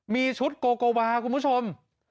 มีชุดโกโกวาคุณผู้ชม